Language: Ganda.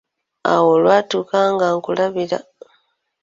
Awo olwatuuka nga nkulabira